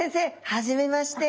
初めまして。